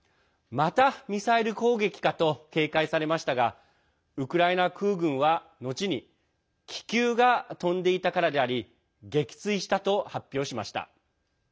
またミサイル攻撃かと警戒されましたがウクライナ空軍は後に気球が飛んでいたからであり撃墜したと発表しました。